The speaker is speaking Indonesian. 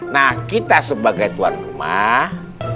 nah kita sebagai tuan rumah